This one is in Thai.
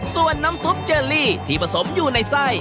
ส่วนน้ำซุปเจลลี่ที่ผสมอยู่ในไส้